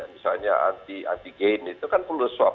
misalnya anti gain itu kan perlu swab